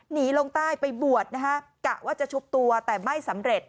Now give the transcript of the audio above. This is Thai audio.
หนีลงใต้ไปบวชนะฮะกะว่าจะชุบตัวแต่ไม่สำเร็จ